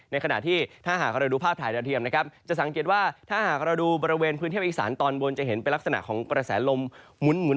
ขณะที่ถ้าหากเราดูภาพถ่ายดาวเทียมนะครับจะสังเกตว่าถ้าหากเราดูบริเวณพื้นที่อีสานตอนบนจะเห็นเป็นลักษณะของกระแสลมหมุน